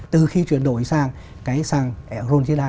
từ khi chuyển đổi sang cái xăng eron g hai